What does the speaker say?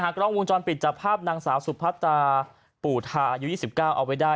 กล้องวงจรปิดจับภาพนางสาวสุพัตราปู่ทาอายุ๒๙เอาไว้ได้